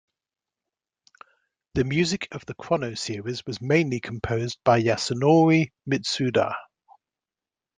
The music of the "Chrono" series was mainly composed by Yasunori Mitsuda.